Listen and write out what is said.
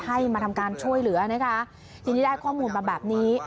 ให้มาทำการช่วยเหลือนะคะทีนี้ได้ข้อมูลมาแบบนี้